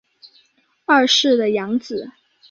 二世的养子。